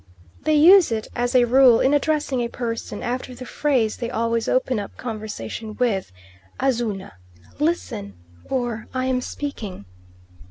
They use it as a rule in addressing a person after the phrase they always open up conversation with, "Azuna" Listen, or I am speaking.